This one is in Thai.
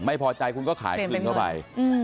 ไม่พอใจคุณก็ขายคืนเข้าไป